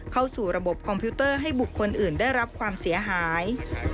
เข้าสู่ระบบคอมพิวเตอร์ให้บุคคลอื่นได้รับความเสียหาย